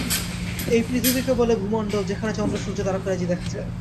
এই পৃথিবীকে বলে ভূমণ্ডল, যেখানে চন্দ্র, সূর্য, তারকারাজি দেখা যায়।